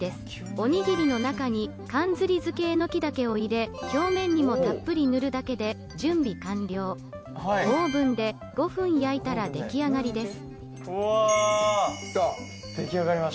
おにぎりの中にかんずり漬えのき茸を入れ、表面にもたっぷり塗るだけで準備完了、オーブンで５分焼いたらでき上がりです。